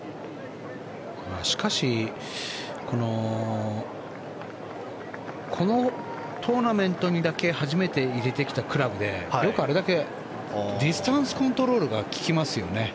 しかしこのトーナメントにだけ初めて入れてきたクラブでよくあれだけディスタンスコントロールが利きますよね。